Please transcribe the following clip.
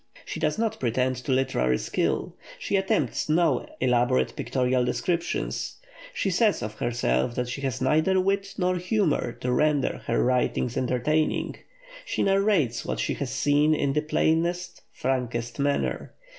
She does not pretend to literary skill; she attempts no elaborate pictorial descriptions; she says of herself that she has neither wit nor humour to render her writings entertaining; she narrates what she has seen in the plainest, frankest manner.